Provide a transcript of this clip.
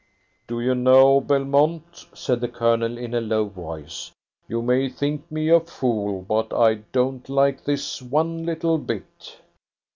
"Do you know, Belmont," said the Colonel, in a low voice, "you may think me a fool, but I don't like this one little bit."